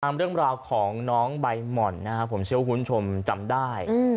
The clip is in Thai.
ตามเรื่องราวของน้องใบหม่อนนะครับผมเชี่ยวคุณชมจำได้อืม